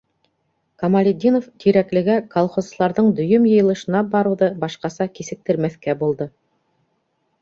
Камалетдинов Тирәклегә колхозсыларҙың дөйөм йыйылышына барыуҙы башҡаса кисектермәҫкә булды.